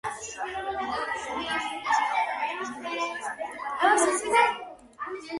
შესრულების ხარისხით ჯაბადარის მინიატიურები უტოლდება იმდროინდელ საუკეთესო ირანულ მინიატიურების ნიმუშებს.